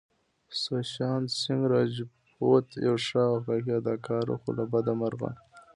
سوشانت سينګ راجپوت يو ښه او اخلاقي اداکار وو خو له بده مرغه